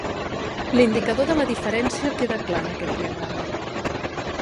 L'indicador de la diferència queda clar en aquest diagrama.